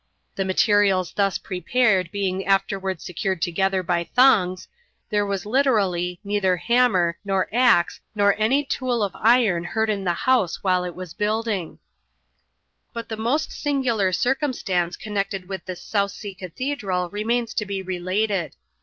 The materials thus prepared being afterwards secured together by thongs, there was literaiiy " neither hammer, nor axe, nor any tool of iron heard in the house while it was building*" But the most singular circumstance connected with this South Sea cathedral remains to be related.